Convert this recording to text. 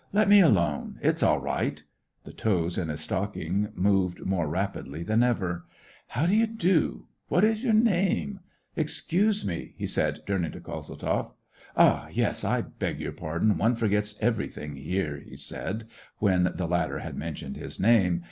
"Let me alone! it's all right," — the toes in his stocking moved more rapidly than ever. " How do you do t What is your name .* Excuse me," he said, turning to Kozeltzoff. ..." Ah, yes, I beg your pardon ! one forgets everything here," he said, when the latter had mentioned his name.